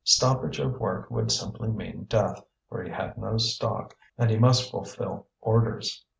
Stoppage of work would simply mean death, for he had no stock, and he must fulfil orders.